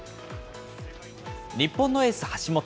日本のエース、橋本。